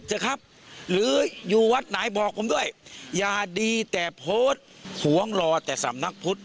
เถอะครับหรืออยู่วัดไหนบอกผมด้วยอย่าดีแต่โพสต์หวงรอแต่สำนักพุทธ